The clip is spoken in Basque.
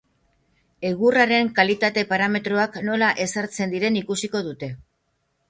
Egurraren kalitate-parametroak nola ezartzen diren ikusiko dute.